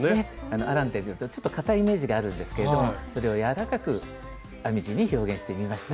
アランっていうとちょっと硬いイメージがあるんですけれどもそれを柔らかく編み地に表現してみました。